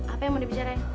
apa yang mau dibicarain